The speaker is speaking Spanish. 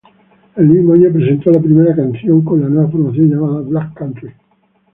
El mismo año presentó la primera canción con la nueva formación, llamada "Black Country".